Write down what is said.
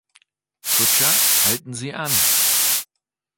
Kutscher, halten Sie an!